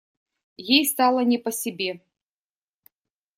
Ей стало не по себе.